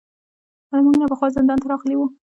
له موږ نه پخوا زندان ته راغلي وو.